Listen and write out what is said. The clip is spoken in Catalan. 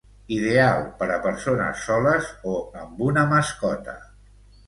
Ideal per a persones soles o amb una mascota.